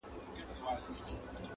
یو او دوه په سمه نه سي گرځېدلای؛